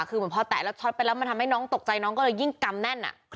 คือเหมือนพอแตะแล้วช็อตไปแล้วมันทำให้น้องตกใจน้องก็เลยยิ่งกำแน่น